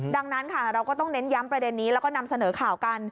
ดังนั้นค่ะเราก็ต้องเน้นย้ำประเด็นนี้แล้วก็นำเสนอข่าวกัน